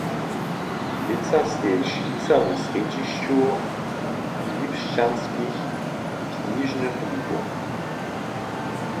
Lětsa steji Šwica w srjedźišću Lipšćanskich knižnych wikow.